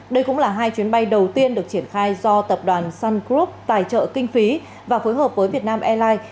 đây cũng là hai chuyến bay đầu tiên được triển khai do tập đoàn sun group tài trợ kinh phí và phối hợp với việt nam airlines